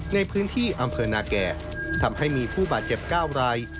ในพื้นที่อำเภอนาแก่ทำให้มีผู้บาดเจ็บ๙ราย